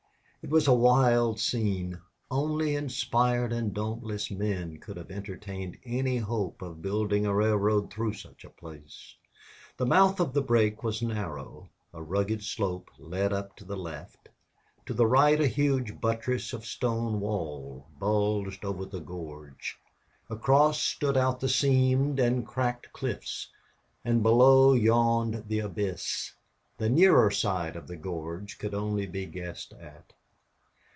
It was a wild scene. Only inspired and dauntless men could have entertained any hope of building a railroad through such a place. The mouth of the break was narrow; a rugged slope led up to the left; to the right a huge buttress of stone wall bulged over the gorge; across stood out the seamed and cracked cliffs, and below yawned the abyss. The nearer side of the gorge could only be guessed at.